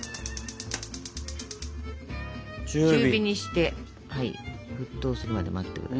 中火にして沸騰するまで待って下さい。